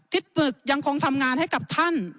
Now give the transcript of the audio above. ปรึกยังคงทำงานให้กับท่าน